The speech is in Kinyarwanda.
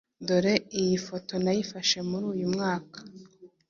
dore iyi foto nayifashe muri uyu mwaka